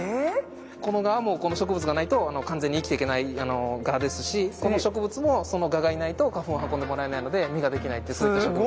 この蛾もこの植物がないと完全に生きていけない蛾ですしこの植物もその蛾がいないと花粉を運んでもらえないので実ができないってそういった植物です。